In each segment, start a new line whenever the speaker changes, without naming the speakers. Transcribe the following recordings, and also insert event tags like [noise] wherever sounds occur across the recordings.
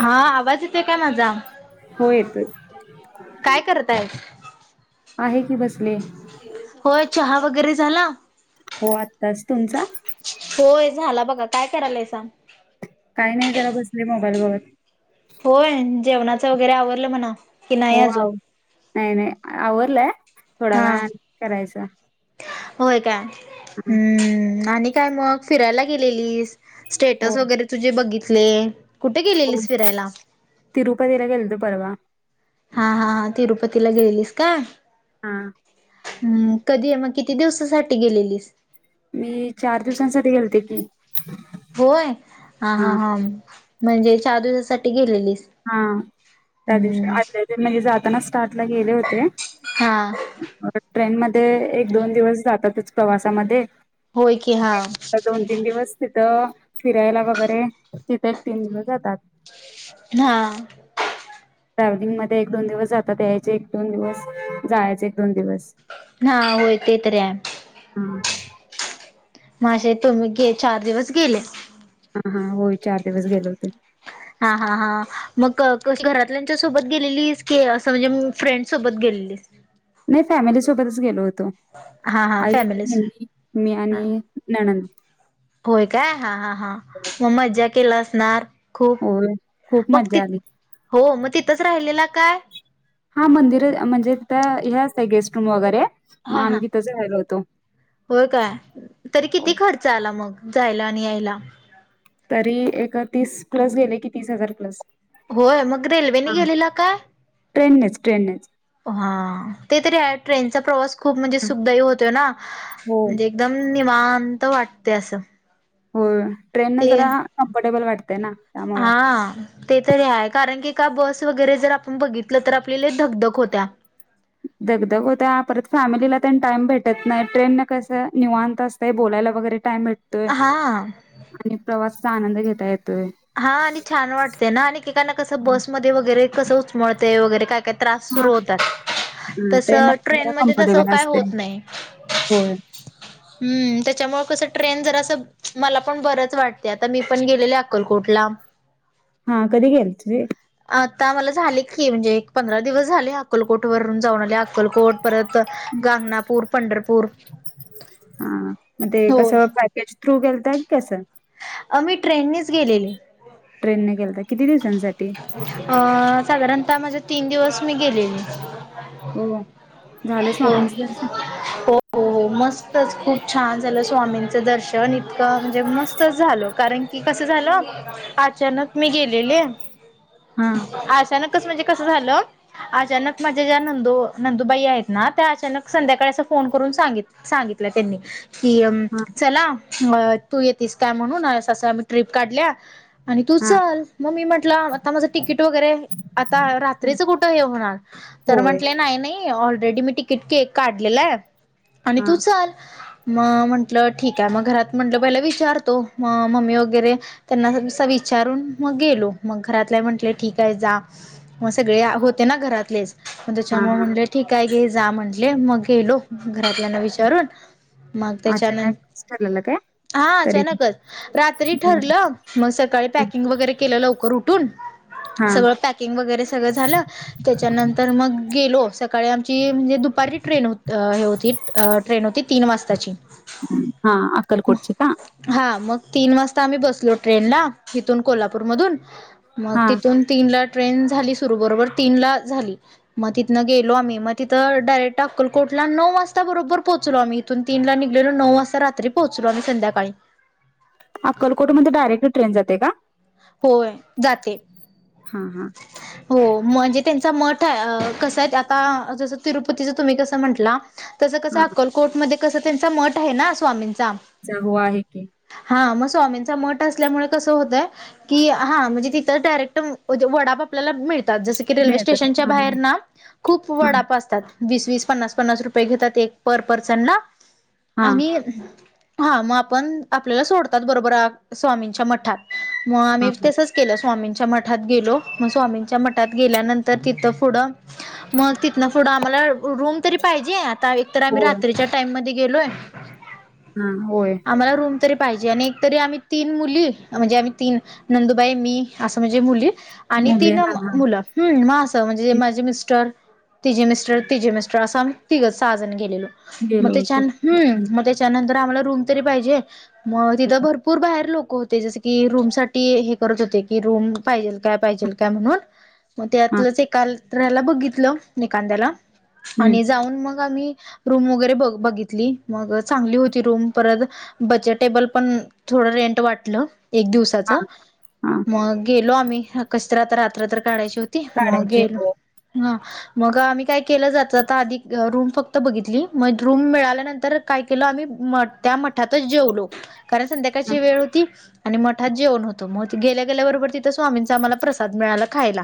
हा... आवाज येतेय काय माझा?
हो येतोय
काय करतायस?
आहे की बसलेय.
होय... चहा वगैरे झाला?
हो आत्ताच... तुमचा?
होय झाला बघा.... काय करायलायसा?
काय नाय.... जरा बसले मोबाईल बगत.
होय... जेवणाचं वगैरे आवरलं म्हणा. की नाही
हो
अजून?
आव... नाई नाई.... आवरलय... थोड्या
हा.
वेळाने करायचं.
होय काय? ह्म्म्म.... आणि काय मग फिरायला गेलेलीस...
हो
स्टेटस वगैरे तुझे बघितले... कुठे गेलेलीस फिरायला?
तिरूपतीला गेलतो परवा.
हा हा हा... तिरुपतीला गेलीस का?
हा.
हम्म... कधी ए मग... किती दिवसासाठी गेलेलीस?
मी... चार दिवसांसाठी घेलते की.
होय... हा हा हां म्हणजे चार दिवसासाठी गेलेलीस.
हा.. त्या दिवशी,
हम्म
आदल्या दिव... म्हणजे जाताना... स्टार्टला गेले होते
हा
आता ट्रेन मध्ये... एक दोन दिवस जातातच... प्रवासामध्ये.
होय की.... हा.
आणि दोन तीन दिवस तिथं... फिरायला वगैरे.... तिथे एक तीन दिवस जातात.
हा.
ट्रॅव्हलिंग मध्ये एक दोन दिवस जातात.... यायचे एक दोन दिवस... जायचे एक दोन दिवस.
हा... होय... ते तर ए.
हं.
मग अशे तुम्ही.. गे... चार दिवस गेले.
हा हा.... होय चार दिवस गेलो होतो.
हां हां हां मंग कशी घरातल्यांच्या सोडतं गेलेलीस की असं म्हणजे फ्रेंड सोडतं गेलेलीस
नाहीं फॅमिली सोबतचं गेलो होतो
हा हा
आई
फॅमिलीच
नमी मी आणि नंद
होयं कायं हां हां हां मंग खूंप मज्जां केलां असणारं. खूंप
होय खूप
मंग
मज्जा
ति
आली
हो मंग तिथंच राहिलेला कायं.
हां मंदिर म्हणजे तिथं हे असतं गेस्ट रूंम वगैरें मंग आम्हीं तिथंच राहिलो होतो.
हो कायं तरी किती
हो,
खर्च आंला मंग जांयला आणि यांयला.
तरी एक तीस प्लसं गेले की तीस हजार प्लस.
होयं मंग
हा,
रेल्वेने गेलेला कायं.
ट्रेननेच ट्रेननेच.
हां ते तरी ट्रेनचा प्रवास खूंप म्हणजे सुखदाय होतो नां.
हो
एकदंम निवांत वाटतें असं.
हो ट्रेन नं जरां कम्फर्टेबल वाटतं.
हां आं. ते तरी आहे कारणं की कां बसं वगैरें जरं आपणं बघितलं तरं आपली लंय धकधक होत्यां
दगदग होत्यां परंत फॅमिलीला तेन टाईम भेटतं नाहीं ट्रेन नं कसं निवांत असतंय कांहीं बोलायंला वगैरें टाईम भेटतोय
हा
आणि प्रवासांचा आनंद घेतां येतोय
हां आणि छान वाटते नां आणि एकेकांना कसं
हा.
बसंमध्ये वगैरें कसं उचमळंतय वगैरें कायं कां त्रांस
हा
सुरूं होतांत तसं ट्रेन मध्यें बसले तसं कायं होतं नाहीं
होयं
हम्मं त्यांच्यामुळे कसं ट्रेन जरां असं मलां पणं बरंच वाटतं ते आंता मी पणं गेलेले अक्कलकोटला
हा कधी गेल तुझी
आंता मलां झाले की म्हणजे एक पंधरा दिवस झाले अक्कलकोट वरूंन जाऊंन आले अक्कलकोट परंत गांगणांपूर पंढरपूर
हां मंग ते
होय.
कसं पॅकेज थ्रूं गेलते कां कसं
आम्हीं ट्रेनने चं गेलेले
ट्रेन ने गेलतां किती दिवसांसाठी
अं साधारणतः माझे तीनं दिवसं मी गेलेले
हो वं झालं स्वामींचं दर्शन
हो हो मस्तंच खूंप छान झालं स्वामींचं दर्शन इतकं म्हणजे मस्तंच झालं कारणं की ते कसं झालं अचांनक मी गेलेले
हा
अचांनक म्हणजे असं झालं अचांनक माझ्यां ज्यां नंदू नंदुबाई आहेतं नां त्यां अचांनक संध्याकाळी असं फोन करूंन सांगितल सांगितलं त्यांनी कि
हा
चलां तूं येतीस कायं म्हणूंन असं आम्हीं ट्रिप काढल्यां आणि तूं
हा
चलं मंग मी म्हटलं आंता माझं तिकीट वगैरें आंता रात्रीचं कुठं हे होणारं तरं
होय
म्हंटले नाहीं नाहीं ऑलरेडी मी तिकीट तिकीट काढलेला आहे आणि
हा
तूं चलं मंग म्हंटलं ठीक आहे मंग घरांत म्हंटलं पहिला विचारतो मंग मम्मी वगैरें त्यांनां जसं विचारूंन मंग गेलो मंग घरांतले म्हटले ठीक आहे जां मंग सगळें होते नां घरांतलेच मंग त्यांच्या
हा
मुळे
हा
म्हटले ठीक आहे घे जां म्हंटले मंग गेलो घरांतल्यांना विचारूंन मंग त्यांच्यानंतर
ठरलेल कायं
हा अचानकच रात्री ठरलं मग सकाळी पॅकिंग वगैरे केलं लवकर उठून
हा
सगळं पॅक पॅकिंग वगैरे सगळं झालं त्याच्यानंतर मग गेलो सकाळी आमची म्हणजे दुपारी ट्रेन हो अ हे होती ट्रेन होती तीन वाजताची.
हा अकल्लकोटची का?
हा मग तीन वाजता आम्ही बसलो ट्रेनला तिथून कोल्हापूरमधून मग
हा
तिथून तीनला ट्रेन झाली सुरू बरोबर तीनला झाली. मग तिथंन गेलो आम्ही मग तिथ डायरेक्ट अक्कलकोटला नऊ वाजता बरोबर पोहोचलो आम्ही. तिथून तीन ला निघलेलो नऊ वाजता रात्री पोहचलो आम्ही संध्याकाळी.
अक्कलकोट मध्ये डायरेक्ट ट्रेन जाते का?
होय जाते.
हा हा.
हो म्हणजे त्यांचा मठ आहे अ कस आहे आता जसं तिरुपतीच तुम्ही कसं म्हटला? त्याच कसं
हा
अक्कलकोटमध्ये कसं त्यांचा मठ आहे ना स्वामींचा?
च हो आहे की.
हा मग स्वामींचा मठ असल्यामुळे कसं होतय कि हा म्हणजे तिथं डायरेक्ट म वडापा आपल्याला मिळतात जस की रेल्वे
मिळतं
स्टेशनच्या
हा
बाहेर ना खूप
हा
वडाप असतात. वीस वीस पन्नास पन्नास रुपये घेतात एक पर पर्सन ला
हा हा
आणि हा मग आपण आपल्याला सोडतात बरोबर आ स्वामींच्या मठात मग आम्ही
हा
तसच केलो स्वामींच्या मठात गेलो मग स्वामींच्या मठात गेल्यानंतर तिथं पुढं मग तिथन पुढं आम्हाला रूम तरी पाहिजे. ता एक तर आम्ही
होय
रात्रीच्या टाइम मध्ये गेलोय.
हा होय.
आम्हाला रूम तरी पाहिजे आणि एक तरी आम्ही तीन मुली म्हणजे आम्ही तीन नंदुबाई मी असं म्हणजे मुली आणि
मुली
तीन अ
हा हा
मुलं हम् म असं म्हणजे माझे मिस्टर तिजे मिस्टर तिजे मिस्टर असं आम्ही तिघ सहाजण गेलेलो मग
गेलो
ते
होतो
छान हम
हम्म,
मग त्या त्यानंतर आम्हाला रूम तरी पाहिजे मग तिथं
होय.
भरपूर बाहेर लोक होते जसं की रूमस साठी हे करत होते की रूम पाहिजेल काय पाहिजेल काय म्हणून म
हा
त्यातलच एक काल तऱ्याला बघितलं निकांद्याला
हम्म
आणि जाऊन मग आम्ही रूम वगैरे ब बघितली मग चांगली होती रूम परत बजेटेबल पण थोडं रेंट वाटलं एक दिवसा
हा हा
मग गेलो आम्ही कशी तर आता रात्र तर काढायची होती मग
काढायचे
गेलो.
हो
हा. मग आम्ही काय केलं जाता जाता आधी रूम फक्त बघितली मग रूम मिळाल्यानंतर काय केलो आम्ही मठ त्या मठातच जेवलो कारण
हा
संध्याकाळची वेळ होती आणि मठात जेवण होतं मग गेल्या गेल्या बरोबर तिथ स्वामींचा आम्हाला प्रसाद मिळाला खायला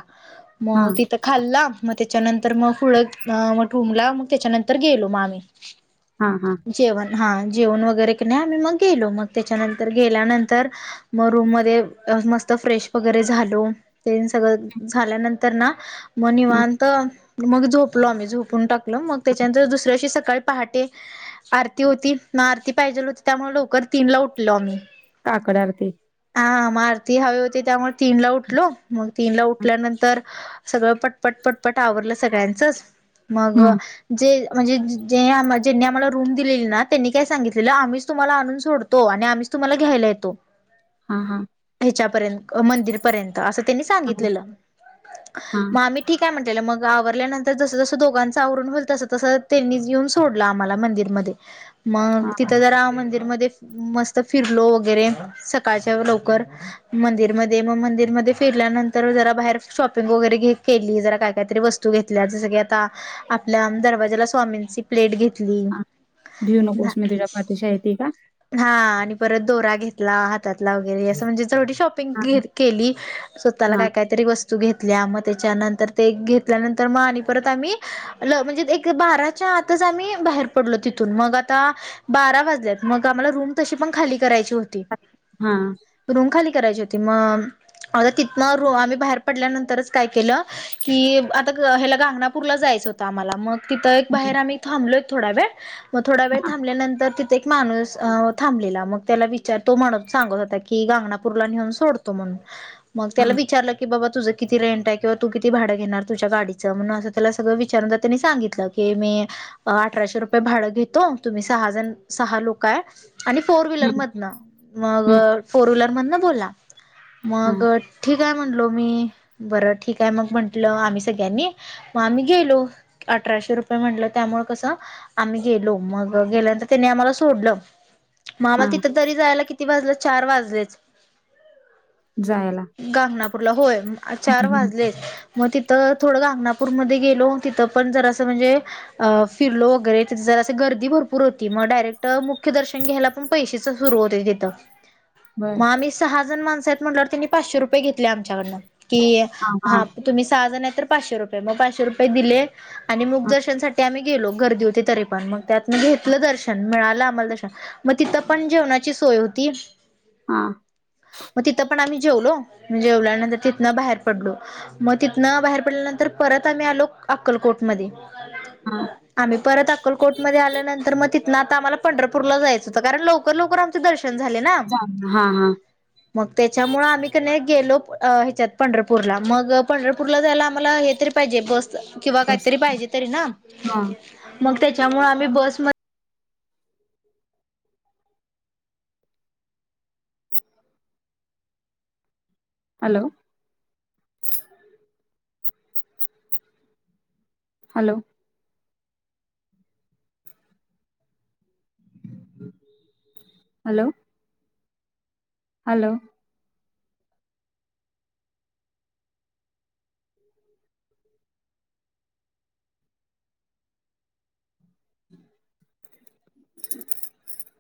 हा
मग तिथ खाल्ला मग त्याच्यानंतर मग फुडं मग ठुबला मग त्याच्यानंतर गेलो मग आम्ही.
हा हा.
जेवण हा जेवण वगैरे क नाही आम्ही मग गेलो मग त्याच्यानंतर गेल्यानंतर मग रूम मध्ये मस्त फ्रेश वगैरे झालो. तेन सगळं झाल्यानंतर ना म
हम्म,
निवांत मग झोपलो आम्ही झोपून टाकल मग
हा.
त्याच्यानंतर दुसऱ्याशी सकाळी पहाटे आरती होती ना आरती पाहिजेल होती त्यामुळे लवकर तीन ला उठलो आम्ही.
काकड आरती.
हा... मग आरती हवी होती... त्यामुळे तीनला उठलो... मग तीनला उठल्यानंतर सगळं... पटपट पटपट आवरलं सगळ्यांचंच... मग
हम्म
जे म्हणजे जे... आ... ज्यांनी आम्हाला रूम दिलेली ना... त्यांनी काय सांगितलेलं.. आम्हीच तुम्हाला आणून सोडतो. तो आणि आम्हीच तुम्हाला घ्यायला येतो.
हा हां.
ह्याच्यापर्यंत... मंदिर पर्यंत... असं त्यांनी
हा
सांगितलेलं...
हा
मग आम्ही ठीक हाय म्हटलेलं... मग आवरल्यानंतर जसं जसं दोघांच आवरून होईल... तसं तसं त्यांनीच येऊन सोडलं आम्हाला मंदिरमध्ये.
हा
मग तिथं जरा मंदिरमध्ये... मस्त फिरलो वगैरे सकाळच्या लवकर मंदिरमध्ये... मग मंदिरमध्ये फिरल्यानंतर... जरा बाहेर शॉपिंग वगैरे... घ... केली... जरा काय कायतरी वस्तू -तू घेतल्या जसं की आता... आपल्या दरवाज्याला स्वामींची प्लेट घेतली
हा भिऊ नकोस मी तुझ्या पाठीशी आहे ती का?
हा... आणि परत दोरा घेतला... हातातला वगैरे असं म्हणजे जेवढी शॉ -पिंग
हा
केली... स्वतःला
हा हा
काय काहीतरी वस्त -स्तु घेतल्या मग त्याच्यानंतर... ते घेतल्यानंतर मग आणि परत आम्ही... ल... म्हणजे एक बारा च्या आतच... आम्ही बाहेर पडलो तिथून मग... आता बारा वाजल्यात... मग आम्हाला रूम तशी पण खाली करायची होती.
हा हा.
रूम खाली करायची होती... मग... आता तिथनं आम्ही बाहेर पडल्यानंतरच काय केलं कि आता... ह्याला... गागनापूरला जायचं होतं आम्हाला... मग तिथं एक बाहेर आम्ही थांबलो एक थोडा वेळ मग थोडा वेळ थांबल्यानंतर... तिथे एक माणूस थांबलेला... मग त्याला विचारलं... तो म्हणत सांगत होता की गांगनापूरला नेऊन सोडतो म्हणून... मग त्याला विचारलं की बाबा तुझ किती रेंट आहे... किंवा तू किती भाडं घेणार तुझ्या गाडीचं म्हणून त्याला सगळं विचारून... तर त्यानी सांगितलं कि मी अठराशे रुपये भाडं घेतो... तुम्ही सहाजण... सहा लोकं हाये आणि फोर व्हीलर
हम्म,
मधनं... मग
हम्म,
फोर व्हीलर मधनं बोलला
हा
मग ठीक आहे म्हणलो मी... बरं ठीक आहे मग म्हंटलं आम्ही सगळ्यांनी मग आम्ही गेलो... अठराशे रुपये म्हटलं त्यामुळे कसं आम्ही गेलो... मग गेल्यानंतर त्यांनी आम्हाला सोडलं मग आम्हाला
हा
तिथं तरी जायला किती वाजले... चार वाजलेच.
जायला
गानगापूरला... होय चार
हम्म हम्म
वाजलेच. मग तिथं थोडं गानगापूरमध्ये गेलो... तिथं पण जरा असं म्हणजे अं... फिरलो वगैरे... तिथं जरासं गर्दी भरपूर होती... मग डायरेक्ट... मुख्य दर्शन घ्यायला पण पैशेचे सुरु होते तिथं.
बर
मग आम्ही सहा जण माणसं आहेत म्हटल्यावर... त्यांनी पाचशे रुपये घेतले आमच्याकडनं... कि
हां,
हा
हां,
तुम्ही सहा जण आहे तर पाचशे रुपये... मग पाचशे रुपये दिले... आणि
हां,
मुखदर्शनसाठी आम्ही गेलो... गर्दी होती तरी पण... मग त्यातनं घेतलं दर्शन... मिळालं आम्हाला दर्शन मग तिथं पण जेवणाची सोय होती...
हां,
मग तिथं पण आम्ही जेवलो. जेवल्यानंतर तिथनं बाहेर पडलो. मग तिथनं बाहेर पडल्यानंतर परत आम्ही आलो अक्कलकोट मध्ये
हां.
आम्ही परत अक्कलकोट मध्ये आल्यानंतर मग तिथनं आता आम्हाला पंढरपूरला जायचं होतं... कारण लवकर लवकर आमच दर्शन -र्शन झाले ना?
झालं. हां, हां.
मग त्याच्यामुळं आम्ही कणी गेलो ह्याच्यात... पंढरपूरला मग पंढरपूरला जायला आम्हाला हे तरी पाहिजे बस... किंवा
बस.
काहीतरी पाहिजे तरी ना...
हां.
मग त्यांच्यामुळे आम्ही बसमध्ये
हॅलो. हॅलो. हॅलो. हॅलो. [unintelligible]